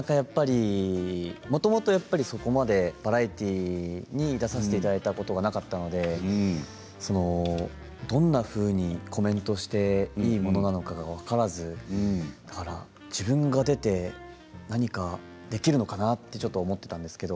もともと、そこまでバラエティーに出させていただいたことがなかったのでどんなふうにコメントをしていいものか分からず自分が出て何かできるのかな？と思っていたんです。